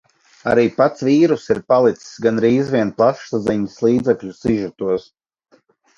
Arī pats vīruss ir palicis gandrīz vien plašsaziņas līdzekļu sižetos.